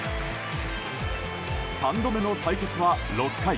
３度目の対決は６回。